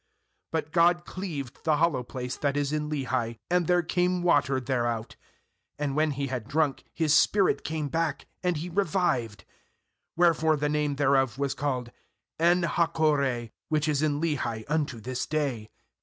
"But God cleaved the hollow place that is in Lehi, and there came water thereout; and when he had drunk, his spirit came back, and he revived; wherefore the name thereof was called bEn hakkore, which is in Lehi unto this day.